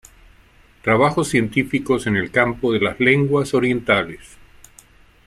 Trabajos científicos en el campo de las lenguas orientales.